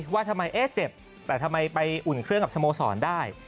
ว่าทำไมเจ็บแต่ทำไมไปอุ่นเครื่องกับสโมสรได้